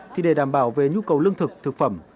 thì để đảm bảo về nhu cầu lương thực thực phẩm